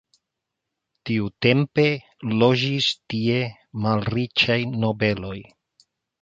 Tiutempe loĝis tie malriĉaj nobeloj.